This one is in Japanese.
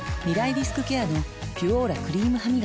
リスクケアの「ピュオーラ」クリームハミガキ